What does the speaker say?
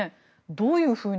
どういうふうに。